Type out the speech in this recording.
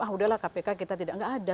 ah udahlah kpk kita tidak ada